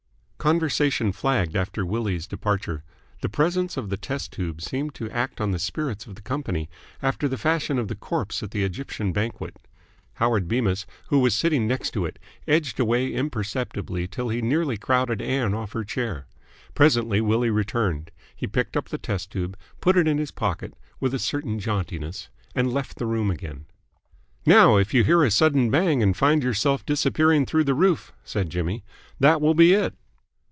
Conversation flagged after Willie's departure. The presence of the test tube seemed to act on the spirits of the company after the fashion of the corpse at the Egyptian banquet. Howard Bemis, who was sitting next to it, edged away imperceptibly till he nearly crowded Ann off her chair. Presently Willie returned. He picked up the test tube, put it in his pocket with a certain jauntiness, and left the room again. "Now, if you hear a sudden bang and find yourself disappearing through the roof," said Jimmy, "that will be it."